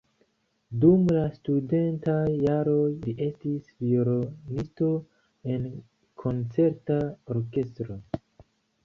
Dum la studentaj jaroj li estis violonisto en koncerta orkestro.